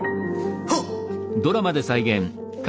はっ。